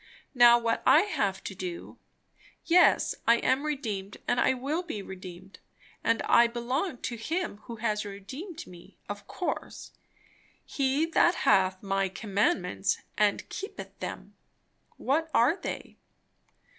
Now what I have to do, yes, I am redeemed, and I will be redeemed; and I belong to him who has redeemed me, of course. "He that hath my commandments and keepeth them" what are they?